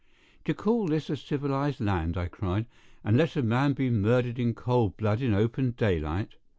"D'ye call this a civilized land," I cried, "and let a man be murdered in cold blood in open daylight?"